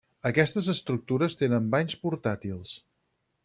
Aquestes estructures tenen banys portàtils.